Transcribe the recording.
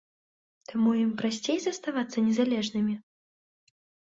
Таму ім прасцей заставацца незалежнымі?